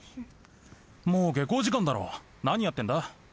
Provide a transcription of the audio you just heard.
もう下校時間だろ何やってんだ？